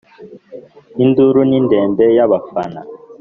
Induru ni ndende yabafana